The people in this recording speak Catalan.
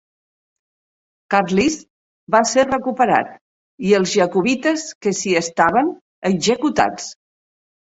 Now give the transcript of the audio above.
Carlisle va ser recuperat i els jacobites que s'hi estaven, executats.